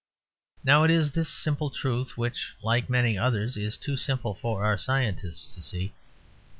Now it is this simple truth which, like many others, is too simple for our scientists to see.